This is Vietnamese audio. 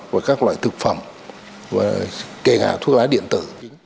của các loại thực phẩm kể cả thuốc lá điện tử